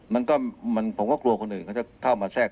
อำนาจวงการอเทียมผู้หญิง